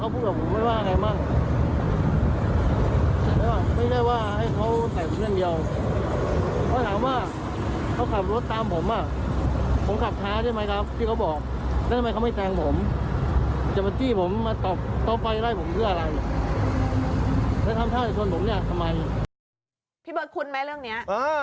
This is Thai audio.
พี่เบิร์ตคุ้นไหมเรื่องนี้